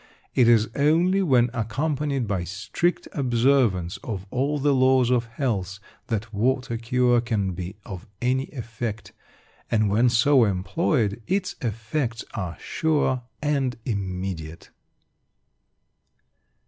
It is only when accompanied by strict observance of all the laws of health that water cure can be of any effect; and when so employed, its effects are sure and immediate.